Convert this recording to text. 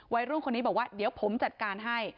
วัยรุ่นคนนี้บอกว่าเดี๋ยวผมจัดการให้